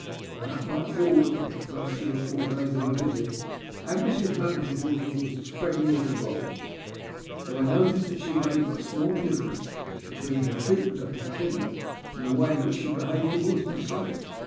From that night forward, for the first three or four days of her visit, Agnes' manner towards me was as friendly as of old, but I noticed that she made but small difference be tween her treatment of Mackinnon and the way in which she behaved towards myself.